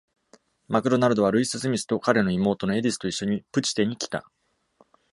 マクドナルドはルイス・スミスと彼の妹のエディスと一緒にプチテに来た。